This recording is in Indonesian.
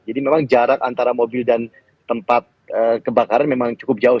jadi memang jarak antara mobil dan tempat kebakaran memang cukup jauh